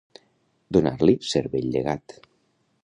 Donar-li cervell de gat.